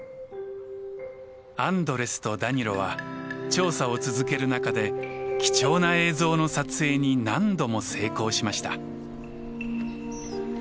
アンドレスとダニロは調査を続ける中で貴重な映像の撮影に何度も成功しました。